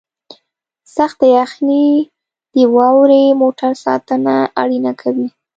سخته یخنۍ د واورې موټر ساتنه اړینه کوي